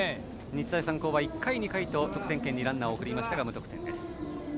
日大三高は１回、２回と得点圏にランナーを送りましたが無得点です。